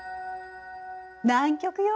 南極よ！